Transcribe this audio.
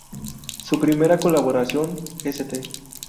Su primera colaboración, "St.